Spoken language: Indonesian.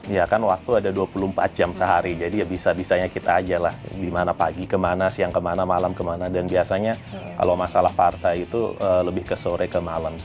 ya kan waktu ada dua puluh empat jam sehari jadi ya bisa bisanya kita aja lah di mana pagi kemana siang kemana malam kemana dan biasanya kalau masalah partai itu lebih ke sore ke malam